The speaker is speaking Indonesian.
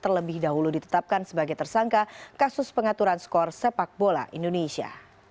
terlebih dahulu ditetapkan sebagai tersangka kasus pengaturan skor sepak bola indonesia